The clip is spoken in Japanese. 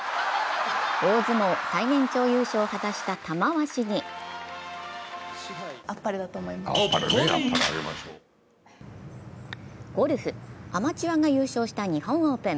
大相撲最年長優勝を果たした玉鷲にゴルフ、アマチュアが優勝した日本オープン。